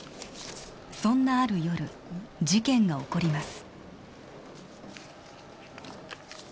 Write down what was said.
そんなある夜事件が起こります